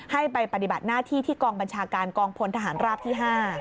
ให้ไปปฏิบัติหน้าที่ที่กองบัญชาการกองพลทหารราบที่๕